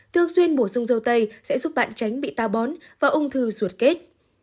thường xuyên bổ sung dâu tây sẽ giúp bạn tránh bị ta bón và ung thư ruột kết